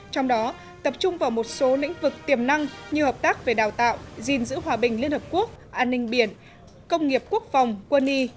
trong đó tập trung vào một số lĩnh vực tiềm năng như hợp tác về đào tạo gìn giữ hòa bình liên hợp quốc an ninh biển công nghiệp quốc phòng quân y